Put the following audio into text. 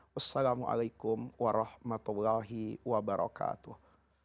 wassalamualaikum warahmatullahi wabarakatuh